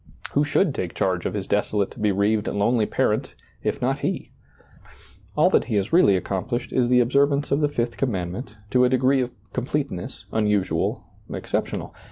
Who should take charge of his desolate, be reaved, lonely parent, if not he ? All that he has really accomplished is the observance of the fifth commandment, to a degree of completeness, unusual, exceptional.